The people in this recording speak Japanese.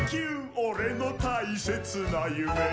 「俺の大切な夢」